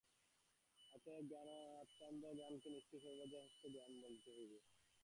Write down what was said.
অতএব অধ্যাত্মজ্ঞানকে নিশ্চয়ই সর্বশ্রেষ্ঠ জ্ঞান বলিতে হইবে।